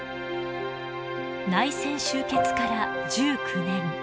内戦終結から１９年。